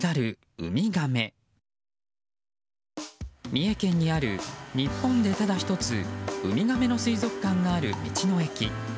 三重県にある、日本でただ１つウミガメの水族館がある、道の駅。